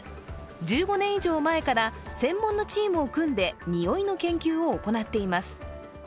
１５年以上前から専門のチームを組んで、においの研究を行っています。